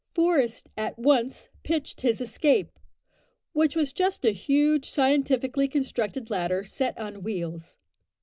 Forest at once pitched his escape which was just a huge scientifically constructed ladder, set on wheels.